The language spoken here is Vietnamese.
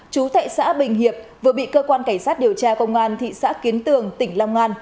chú tại xã bình hiệp vừa bị cơ quan cảnh sát điều tra công an thị xã kiến tường tỉnh long an